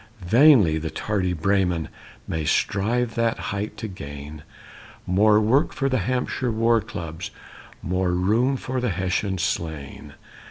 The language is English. Vainly the tardy Breyman May strive that height to gain; More work for the Hampshire war clubs! More room for the Hessian slain!